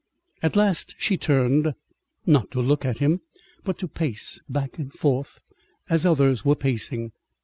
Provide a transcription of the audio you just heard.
At last she turned, not to look at him, but to pace back and forth as others were pacing.